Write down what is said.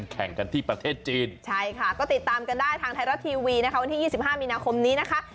แข่งกันที่ประเทศจีนใช่ค่ะก็ติดตามกันได้ทางไทยรัฐทีวีนะคะวันที่๒๕มีนาคมนี้นะคะ